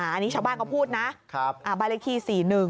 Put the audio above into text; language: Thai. อันนี้ชาวบ้านเขาพูดนะบ้านเลขที่๔๑